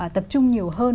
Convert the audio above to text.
tập trung nhiều hơn